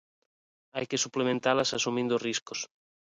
Hai que suplementalas asumindo riscos.